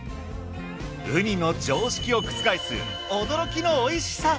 ウニの常識を覆えす驚きのおいしさ。